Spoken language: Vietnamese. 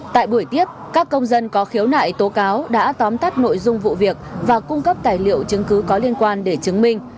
tại buổi tiếp các công dân có khiếu nại tố cáo đã tóm tắt nội dung vụ việc và cung cấp tài liệu chứng cứ có liên quan để chứng minh